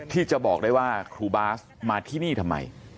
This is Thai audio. ที่จะบอกได้ว่าครูบาสมาที่นี่ทำไม